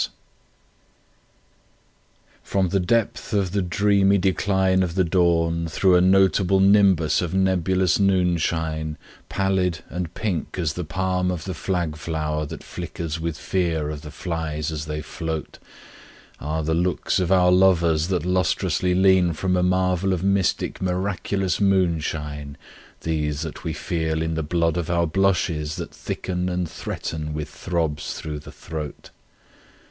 ] FROM the depth of the dreamy decline of the dawn through a notable nimbus of nebulous noonshine, Pallid and pink as the palm of the flag flower that flickers with fear of the flies as they float, Are the looks of our lovers that lustrously lean from a marvel of mystic miraculous moonshine, These that we feel in the blood of our blushes that thicken and threaten with throbs through the throat?